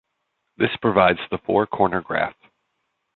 This provides the four corner graph.